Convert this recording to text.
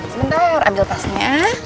sebentar ambil pasnya